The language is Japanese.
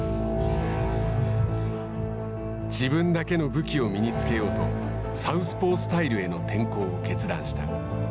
自分だけの武器を身に着けようとサウスポースタイルへの転向を決断した。